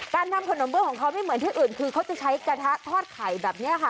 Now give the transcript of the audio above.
ทำขนมเบื้องของเขาไม่เหมือนที่อื่นคือเขาจะใช้กระทะทอดไข่แบบนี้ค่ะ